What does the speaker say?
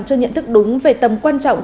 chưa nhận thức đúng về tầm quan trọng